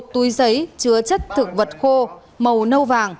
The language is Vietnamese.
một túi giấy chứa chất thực vật khô màu nâu vàng